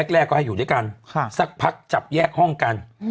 แรกก็ให้อยู่ด้วยกันสักพักจับแยกห้องกัน